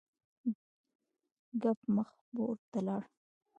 کب مخ پورته لاړ.